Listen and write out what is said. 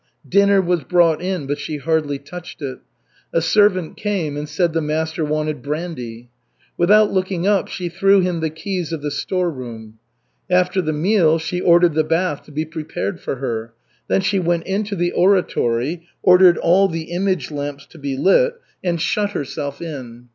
Dinner was brought in, but she hardly touched it; a servant came and said the master wanted brandy. Without looking up she threw him the keys of the store room. After the meal she ordered the bath to be prepared for her. Then she went into the oratory, ordered all the image lamps to be lit, and shut herself in.